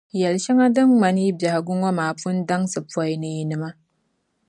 Yεli shɛŋa din ŋmani yi biɛhigu ŋɔ maa Pun daŋsi pɔi ni yinima.